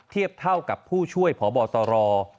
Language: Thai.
เทียบเท่ากับผู้ช่วยพบตร